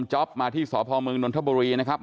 จ๊อปมาที่สพมนนทบุรีนะครับ